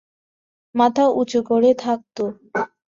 মাথা উঁচু করে থাকতো।